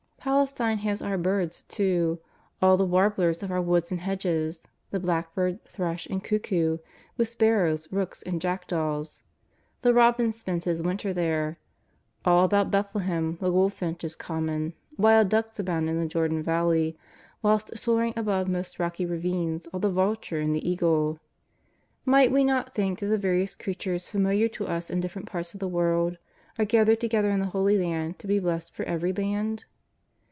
Palestine has our birds, too, all the warblers of our woods and hedges, the blackbird, thrush, and cuckoo, with sparrows, rooks, and jackdaws. The robin spends his winter there; all about Bethlehem the goldfinch is common, wild ducks abound in the Jordan valley, whilst soaring above most rocky ravines are the vulture and the eagle. Might we not think that the various creatures familiar to us in different parts of the world are gath ered together in the Holy Land to be blessed for every land